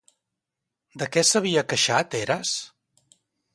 De què s'havia queixat Heras?